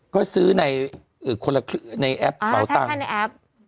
ก็ซื้อในคนละในแอปเป่าตังค์ในแอป